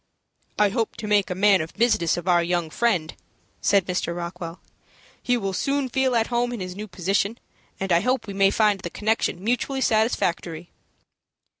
"I hope to make a man of business of our young friend," said Mr. Rockwell. "He will soon feel at home in his new position, and I hope we may find the connection mutually satisfactory."